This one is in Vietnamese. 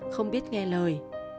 không biết nghe lời